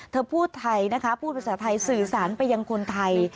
เธอพูดภาษาไทยสื่อสารไปยังคนไทย